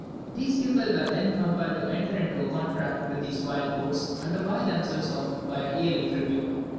These people were then compelled to enter into a contract with these wild hordes, and to buy themselves off by a yearly tribute.